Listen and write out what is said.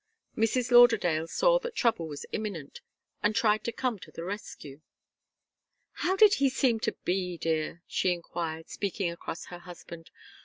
Mrs. Lauderdale saw that trouble was imminent, and tried to come to the rescue. "How did he seem to be, dear?" she enquired, speaking across her husband.